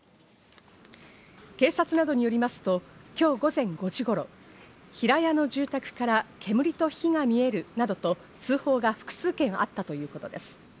警察などによりますと、今日午前５時頃、平屋の住宅から煙と火が見えるなどと通報が複数件あったということです。